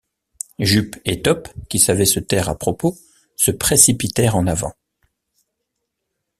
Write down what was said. Jup et Top, qui savaient se taire à propos, se précipitèrent en avant.